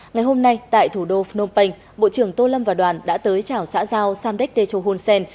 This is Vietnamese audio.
ngày hôm nay tại thủ đô phnom penh bộ trưởng tô lâm và đoàn đã tới chào xã giao samdek techo hun sen